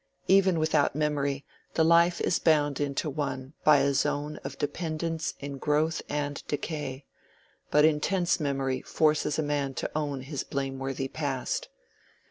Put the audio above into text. Even without memory, the life is bound into one by a zone of dependence in growth and decay; but intense memory forces a man to own his blameworthy past.